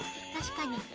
確かに。